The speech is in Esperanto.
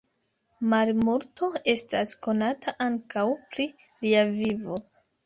Malmulto estas konata ankaŭ pri lia vivo.